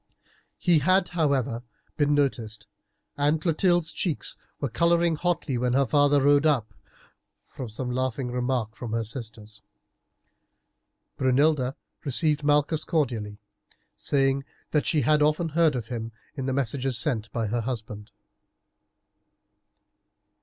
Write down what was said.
He had, however, been noticed, and Clotilde's cheeks were colouring hotly when her father rode up, from some laughing remark from her sisters. Brunilda received Malchus cordially, saying that she had often heard of him in the messages sent by her husband.